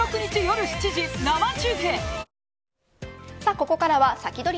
ここからはサキドリ！